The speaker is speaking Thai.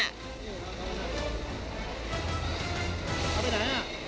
เอาไปไหนอ่ะ